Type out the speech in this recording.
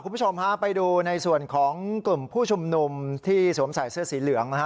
คุณผู้ชมฮะไปดูในส่วนของกลุ่มผู้ชุมนุมที่สวมใส่เสื้อสีเหลืองนะฮะ